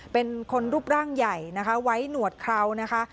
เป็นคนรูปร่างใหญ่นะคะไว้หนวดเคราวนะคะ